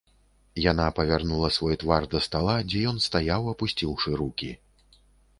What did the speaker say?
Яна павярнула свой твар да стала, дзе ён стаяў, апусціўшы рукі.